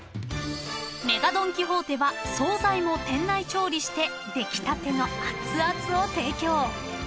［ＭＥＧＡドン・キホーテは総菜も店内調理して出来たての熱々を提供］